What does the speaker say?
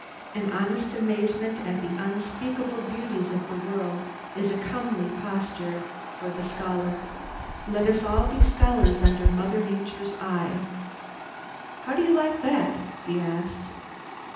An honest amazement at the unspeakable beauties of the world is a comely posture for the scholar. Let us all be scholars under Mother Nature's eye. "How do you like that?" he asked.